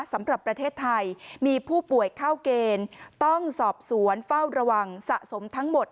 สำหรับประเทศไทยมีผู้ป่วยเข้าเกณฑ์ต้องสอบสวนเฝ้าระวังสะสมทั้งหมด